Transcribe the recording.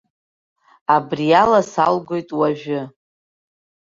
Абриала салгоит уажәы.